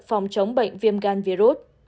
phòng chống bệnh viêm gan virus